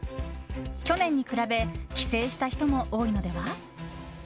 昨年に比べ帰省した人も多いのでは。